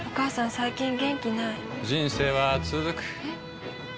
最近元気ない人生はつづくえ？